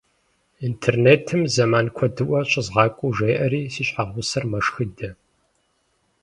Интернетым зэман куэдыӏуэ щызгъакӏуэу жеӏэри, си щхьэгъусэр мэшхыдэ.